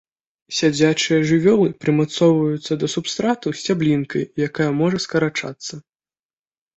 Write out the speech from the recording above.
Сядзячыя жывёлы, прымацоўваюцца да субстрату сцяблінкай, якая можа скарачацца.